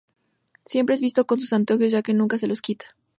Siempre es visto con sus anteojos, ya que nunca se los quita.